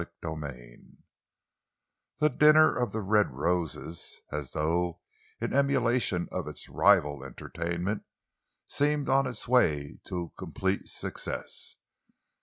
CHAPTER XXII The dinner of the red roses, as though in emulation of its rival entertainment, seemed on its way to complete success.